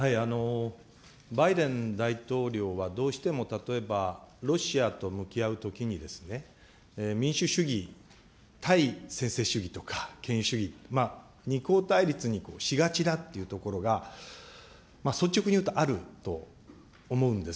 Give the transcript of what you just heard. バイデン大統領はどうしても例えばロシアと向き合うときにですね、民主主義対専制主義とか権威主義、二項対立にしがちだというところが、率直に言うとあると思うんです。